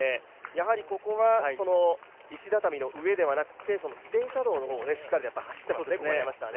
やはりここは石畳の上ではなくて自転車道の方を走っていますね。